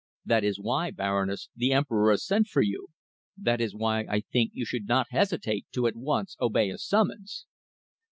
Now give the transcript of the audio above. That is why, Baroness, the Emperor has sent for you. That is why I think you should not hesitate to at once obey his summons."